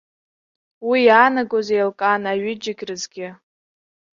Уи иаанагоз еилкаан аҩыџьагь рзгьы.